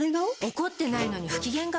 怒ってないのに不機嫌顔？